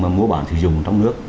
mua bản sử dụng trong nước